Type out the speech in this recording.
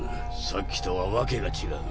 さっきとは訳が違う。